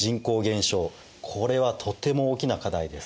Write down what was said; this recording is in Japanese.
これはとても大きな課題です。